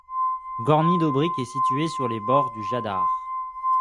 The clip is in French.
Gornji Dobrić est situé sur les bords du Jadar.